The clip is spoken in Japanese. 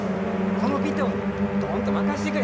この尾藤にドンと任してくれ！